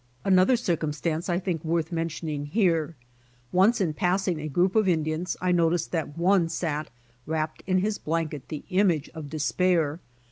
Another circumstance I think worth mentioning here. Once in passing a group of Indians I noticed that one sat wrapped in his blanket the image of des pair.